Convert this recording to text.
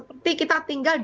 obatnya itu rencana lebih